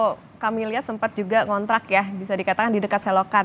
kalau kami lihat sempat juga ngontrak ya bisa dikatakan di dekat selokan